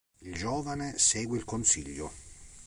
Il giovane segue il consiglio.